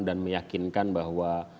dan meyakinkan bahwa